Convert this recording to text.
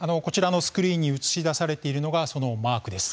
スクリーンに映し出されているのがそのマークです。